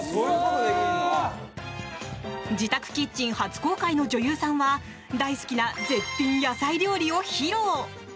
自宅キッチン初公開の女優さんは大好きな絶品野菜料理を披露。